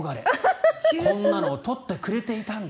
こんなの取っておいてくれていたんだ。